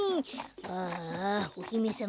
ああおひめさま